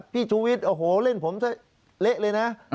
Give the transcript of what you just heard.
พี่ชุวิตอ๋อโหเล่นผมซะเหละเลยนะ